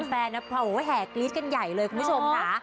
แฟนแห่กรี๊ดกันใหญ่เลยคุณผู้ชมค่ะ